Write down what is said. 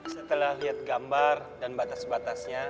setelah lihat gambar dan batas batasnya